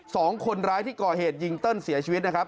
สองคนร้ายที่ก่อเหตุยิงเติ้ลเสียชีวิตนะครับ